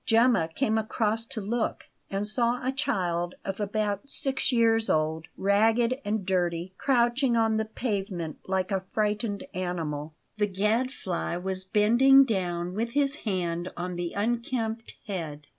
Gemma came across to look, and saw a child of about six years old, ragged and dirty, crouching on the pavement like a frightened animal. The Gadfly was bending down with his hand on the unkempt head.